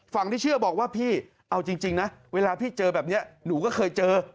ที่เชื่อบอกว่าพี่เอาจริงนะเวลาพี่เจอแบบนี้หนูก็เคยเจอ